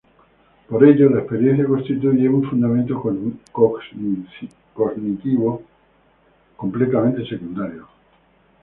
Por ello la experiencia constituye un fundamento cognoscitivo completamente secundario.